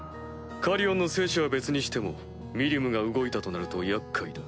カリオンの生死は別にしてもミリムが動いたとなると厄介だ。